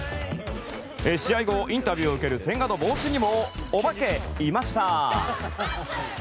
試合後、インタビューを受ける千賀の帽子にもお化け、いました！